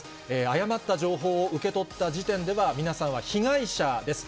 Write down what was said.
誤った情報を受け取った時点では、皆さんは被害者です。